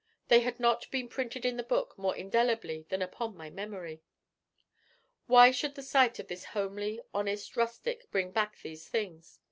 they had not been printed in the book more indelibly than upon my memory. Why should the sight of this homely, honest rustic bring back these things?